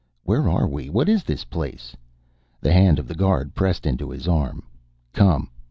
"Where are we? What is this place?" The hand of the guard pressed into his arm. "Come.